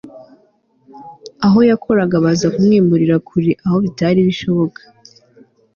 aho yakoraga baza kumwimurira kure aho bitari bishiboka